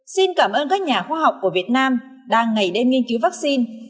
xin cảm ơn các nhà khoa học của việt nam đang ngày đêm nghiên cứu vắc xin